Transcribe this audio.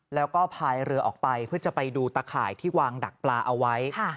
แล้วก็พายเรือออกไปเพื่อจะไปดูตะข่ายที่วางดักปลาเอาไว้